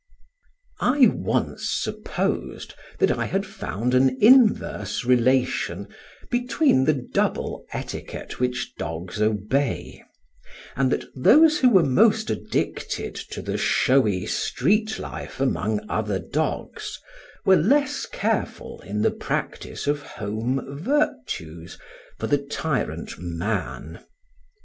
I once supposed that I had found an inverse relation between the double etiquette which dogs obey; and that those who were most addicted to the showy street life among other dogs were less careful in the practice of home virtues for the tyrant man.